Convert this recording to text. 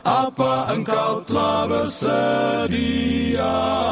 apa engkau telah bersedia